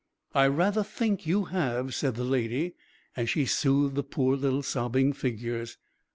"I rather think you have," said the Lady, as she soothed the poor little sobbing figures.